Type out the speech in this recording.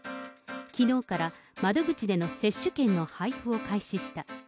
きのうから、窓口での接種券の配布を開始した。